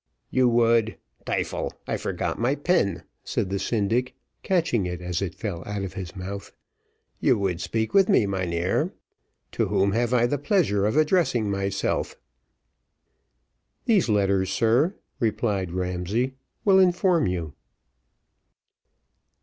"You would tyfel I forgot my pen," said the syndic, catching it as it fell out of his mouth. "You would speak with me, mynheer? To whom have I the pleasure of addressing myself?" "These letters, sir," replied Ramsay, "will inform you."